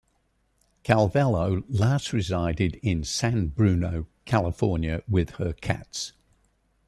Calvello last resided in San Bruno, California with her cats.